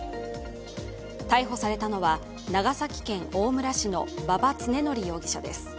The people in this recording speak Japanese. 逮捕されたのは、長崎県大村市の馬場恒典容疑者です。